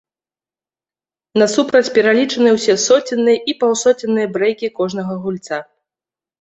Насупраць пералічаныя ўсе соценныя і паўсоценныя брэйкі кожнага гульца.